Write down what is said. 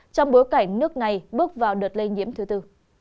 trong bối cảnh nước này bước vào đợt lây nhiễm thứ tư